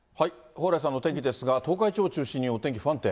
蓬莱さんのお天気ですが、東海地方中心にお天気、不安定。